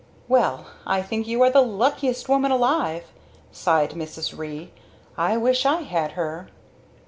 "Well, I think you are the luckiest woman alive!" sighed Mrs. Ree. "I wish I had her!"